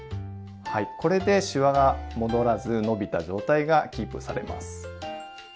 はいこれでしわが戻らず伸びた状態がキープされます。